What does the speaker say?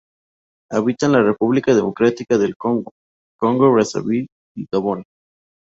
Habita en la República Democrática del Congo, Congo Brazzaville y Gabón.